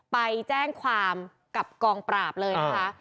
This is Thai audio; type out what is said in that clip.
ไปแจ้งความกับกองปราบเลยนะคะ